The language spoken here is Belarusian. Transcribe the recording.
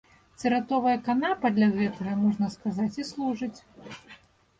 Цыратовая канапа для гэтага, можна сказаць, і служыць.